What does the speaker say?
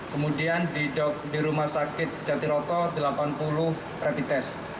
kemudian di rumah sakit jatiroto delapan puluh rapid test